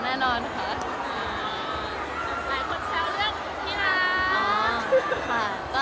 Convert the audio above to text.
หลายคนแชวน์เรื่องนี้ค่ะ